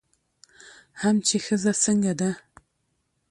هم چې ښځه څنګه ده